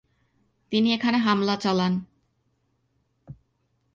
তিনি এখানে হামলা চালান।